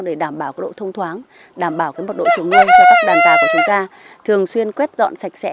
để đảm bảo độ thông thoáng đảm bảo độ chuồng nuôi cho các đàn bà của chúng ta thường xuyên quét dọn sạch sẽ